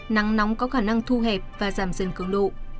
nắng nóng có khả năng thu hẹp và giảm dần cường độ